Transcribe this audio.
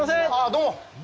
どうも。